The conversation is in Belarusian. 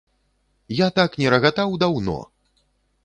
Я так не рагатаў даўно!